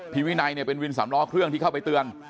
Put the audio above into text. วินัยเนี่ยเป็นวินสำล้อเครื่องที่เข้าไปเตือน